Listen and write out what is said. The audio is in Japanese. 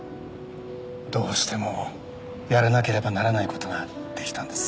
どうしてもやらなければならないことができたんです